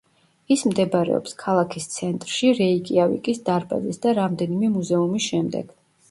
ის მდებარეობს ქალაქის ცენტრში რეიკიავიკის დარბაზის და რამდენიმე მუზეუმის შემდეგ.